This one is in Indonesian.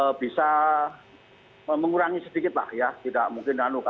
mungkin bisa mengurangi sedikit lah ya tidak mungkin karena bencana juga